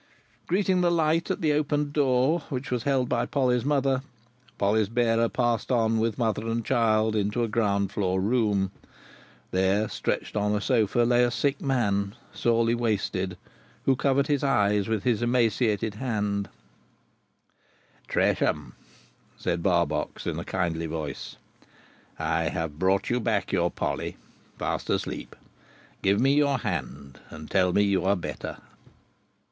Greeting the light at the opened door which was held by Polly's mother, Polly's bearer passed on with mother and child into a ground floor room. There, stretched on a sofa, lay a sick man, sorely wasted, who covered his eyes with his emaciated hands. "Tresham," said Barbox, in a kindly voice, "I have brought you back your Polly, fast asleep. Give me your hand, and tell me you are better."